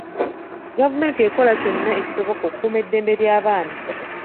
Gavumenti ekola kyonna ekisoboka okukuuma eddembe ly'abaana.